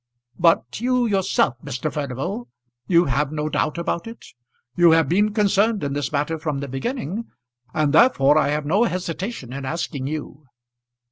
"But you yourself, Mr. Furnival; you have no doubt about it? You have been concerned in this matter from the beginning, and therefore I have no hesitation in asking you."